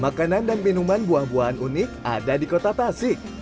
makanan dan minuman buah buahan unik ada di kota tasik